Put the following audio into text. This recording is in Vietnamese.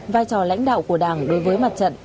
vai trò lãnh đạo của đảng đối với mặt trận